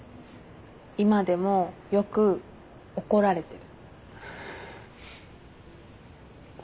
今でもよく怒られてる。